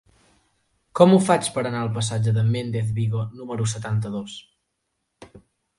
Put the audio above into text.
Com ho faig per anar al passatge de Méndez Vigo número setanta-dos?